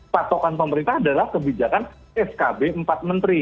patokan pemerintah adalah kebijakan skb empat menteri